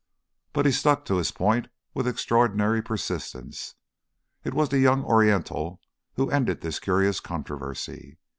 But he stuck to his point with extraordinary persistence. It was the young Oriental who ended this curious controversy.